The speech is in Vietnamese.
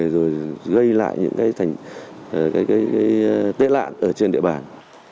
rồi gây lại những cái tiết lạn ở trên địa bàn